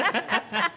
ハハハハ！